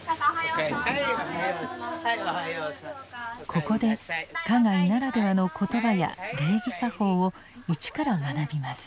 ここで花街ならではの言葉や礼儀作法を一から学びます。